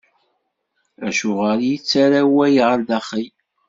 Acuɣer i yettarra awal ɣer daxel?